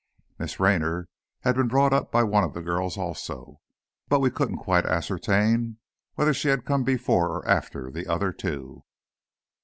Miss Raynor had been brought up by one of the girls also, but we couldn't quite ascertain whether she had come before or after the other two.